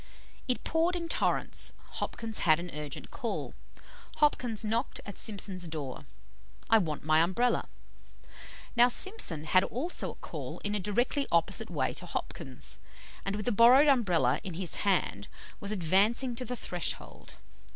"It poured in torrents, Hopkins had an urgent call. Hopkins knocked at Simpson's door. 'I want my Umbrella.' Now Simpson had also a call in a directly opposite way to Hopkins; and with the borrowed Umbrella in his hand, was advancing to the threshold.